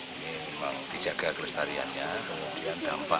ini memang dijaga kelestariannya kemudian dampak